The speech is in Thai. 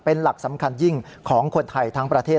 เป็นหลักสำคัญยิ่งของคนไทยทั้งประเทศ